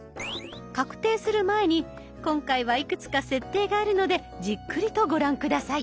確定する前に今回はいくつか設定があるのでじっくりとご覧下さい。